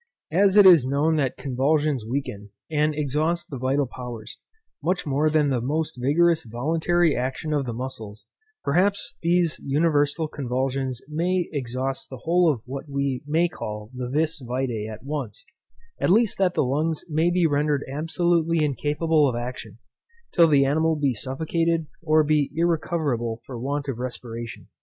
As it is known that convulsions weaken, and exhaust the vital powers, much more than the most vigorous voluntary action of the muscles, perhaps these universal convulsions may exhaust the whole of what we may call the vis vitæ at once, at least that the lungs may be rendered absolutely incapable of action, till the animal be suffocated, or be irrecoverable for want of respiration.